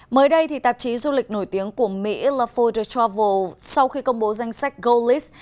mới đây tạp chí du lịch nổi tiếng của mỹ lafour de travel sau khi công bố danh sách golist